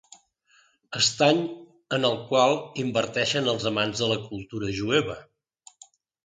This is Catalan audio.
Estany en el qual inverteixen els amants de la cultura jueva.